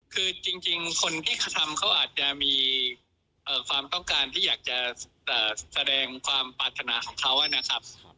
คือจริงคนที่ทำเขาอาจจะมีความต้องการที่อยากจะแสดงความปรารถนาของเขานะครับ